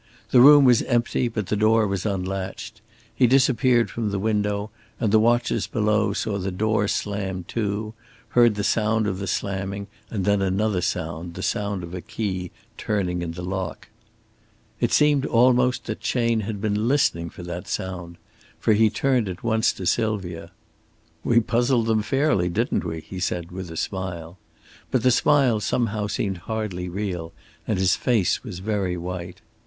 The room was empty, but the door was unlatched. He disappeared from the window, and the watchers below saw the door slammed to, heard the sound of the slamming and then another sound, the sound of a key turning in the lock. It seemed almost that Chayne had been listening for that sound. For he turned at once to Sylvia. "We puzzled them fairly, didn't we?" he said, with a smile. But the smile somehow seemed hardly real, and his face was very white.